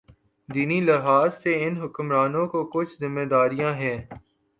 دینی لحاظ سے ان حکمرانوں کی کچھ ذمہ داریاں ہیں۔